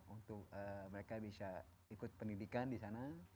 untuk mereka bisa ikut pendidikan di sana